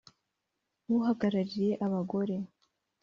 uhagarariye abagore